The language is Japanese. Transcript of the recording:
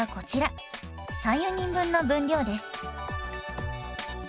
３４人分の分量です。